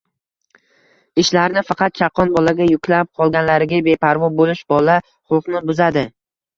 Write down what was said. Ishlarni faqat chaqqon bolaga yuklab, qolganlariga beparvo bo‘lish bola xulqini buzadi.